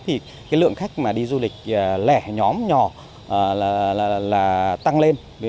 thì cái lượng khách mà đi du lịch lẻ nhóm nhỏ là tăng lên